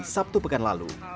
sabtu pekan lalu